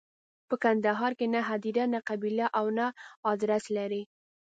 په کندهار کې نه هدیره، نه قبیله او نه ادرس لري.